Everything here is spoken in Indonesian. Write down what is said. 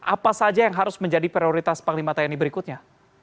apa saja yang harus menjadi prioritas panglima tni berikutnya